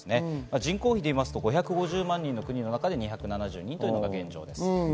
人口比でいうと５５０万人の国のうちに、２７０人というのが現状です。